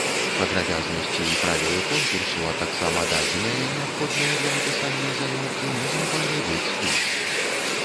Падрабязнасці і правілы конкурсу, а таксама дадзеныя неабходныя для напісання заяўкі можна паглядзець тут.